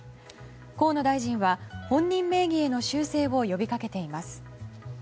河野大臣は、本人名義への修正を呼びかけています。